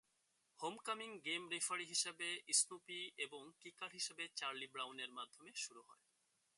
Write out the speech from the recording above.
Homecoming game referee হিসেবে Snoopy এবং kicker হিসেবে চার্লি ব্রাউনের মাধ্যমে শুরু হয়।